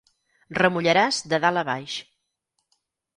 Remullaràs de dalt a baix.